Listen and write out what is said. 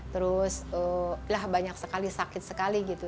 terus lah banyak sekali sakit sekali gitu